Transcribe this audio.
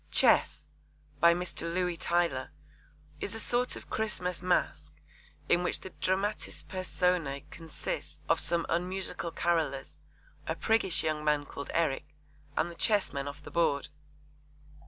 Chess, by Mr. Louis Tylor, is a sort of Christmas masque in which the dramatis personae consist of some unmusical carollers, a priggish young man called Eric, and the chessmen off the board.